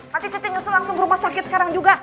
nanti cuce nyusul langsung ke rumah sakit sekarang juga